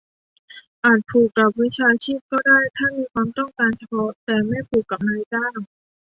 อาจผูกกับวิชาชีพก็ได้ ถ้ามีความต้องการเฉพาะ แต่ไม่ผูกกับนายจ้าง